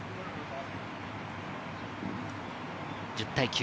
１０対９。